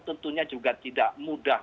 tentunya juga tidak mudah